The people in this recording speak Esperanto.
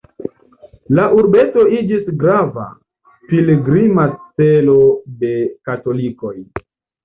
La urbeto iĝis grava pilgrima celo de katolikoj.